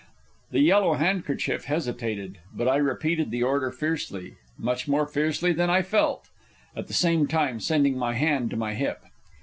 The Yellow Handkerchief hesitated; but I repeated the order fiercely (much more fiercely than I felt), at the same time sending my hand to my hip.